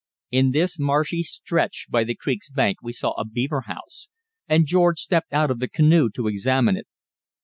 In this marshy stretch by the creek's bank we saw a beaver house, and George stepped out of the canoe to examine it.